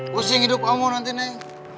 pusing hidup kamu nanti nih